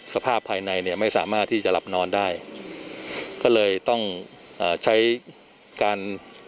สภาพภายในเนี่ยไม่สามารถที่จะหลับนอนได้ก็เลยต้องเอ่อใช้การ